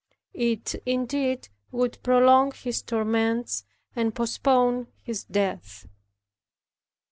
It indeed would prolong his torments, and postpone his death.